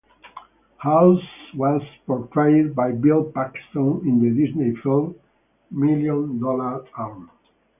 House was portrayed by Bill Paxton in the Disney film "Million Dollar Arm".